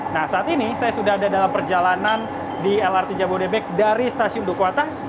nah saat ini saya sudah ada dalam perjalanan di lrt jabodebek dari stasiun duku atas